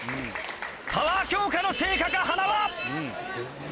パワー強化の成果か塙。